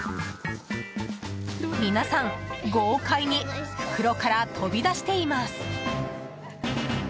皆さん豪快に袋から飛び出しています。